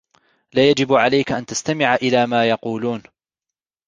لا يجب عليك أن تستمع إلی ما يقول.